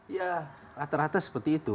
ya rata rata seperti itu